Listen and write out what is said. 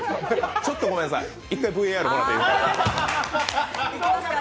ちょっとごめんなさい、１回ＶＡＲもらっていいですか？